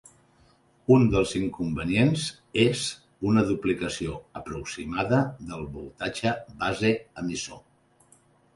Un dels inconvenients és una duplicació aproximada del voltatge base-emissor.